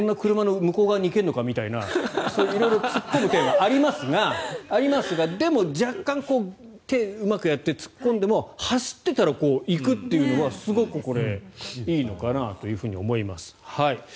そんな車の向こう側に行けるのかみたいな突っ込む点は色々ありますがでも、若干うまくやって突っ込んでも走っていたらうまくいくというのはすごいいいのかなと思います。